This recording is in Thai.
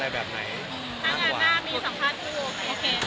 ถ้างานหน้ามีสัมภาษณ์เค้าออกให้